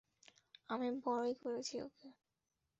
আমিই বড়ো করেছি ওকে।